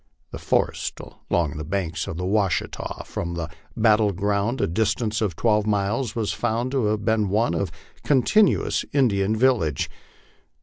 The forest along the banks of the Washita, from the battle ground a distance of twelve miles, was found to have been one contin uous Indian village.